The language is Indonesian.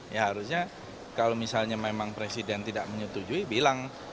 ya harusnya kalau misalnya memang presiden tidak menyetujui bilang